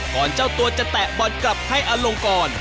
เจ้าตัวจะแตะบอลกลับให้อลงกร